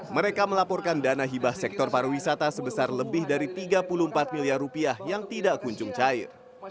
mereka melaporkan dana hibah sektor pariwisata sebesar lebih dari tiga puluh empat miliar rupiah yang tidak kunjung cair